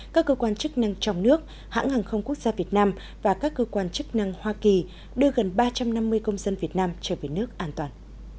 các cơ quan chức năng trong nước hãng hàng không quốc gia việt nam và các cơ quan chức năng hoa kỳ đưa gần ba trăm năm mươi công dân việt nam trở về nước an toàn